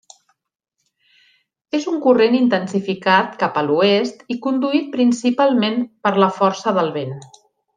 És un corrent intensificat cap a l'oest i conduït principalment per la força del vent.